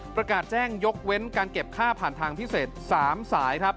ประกาศแจ้งยกเว้นการเก็บค่าผ่านทางพิเศษ๓สายครับ